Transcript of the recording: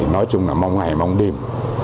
nói chung là mong ngày mong đêm